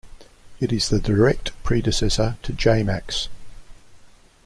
It is the direct predecessor to jMax.